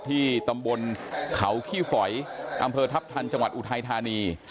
ที่ตำบลเขาขี้ฝอยอำเภอทัพทันจังหวัดอุทัยธานี